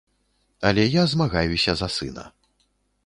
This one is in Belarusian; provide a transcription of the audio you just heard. Але я змагаюся за сына.